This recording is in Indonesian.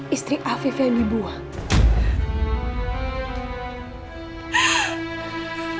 istri afif yang dibuang